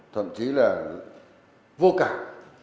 thậm chí là vô cảm